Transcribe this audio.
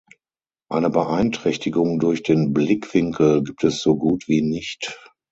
Eine Beeinträchtigung durch den Blickwinkel gibt es so gut wie nicht.